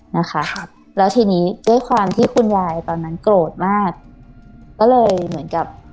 นะคะครับแล้วทีนี้ด้วยความที่คุณยายตอนนั้นโกรธมากก็เลยเหมือนกับ